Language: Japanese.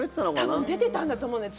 多分出てたんだと思うのよ